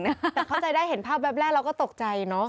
แต่เข้าใจได้เห็นภาพแวบแรกเราก็ตกใจเนอะ